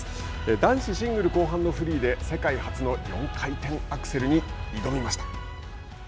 男子シングル後半のフリーで世界初の４回転アクセルに挑みました。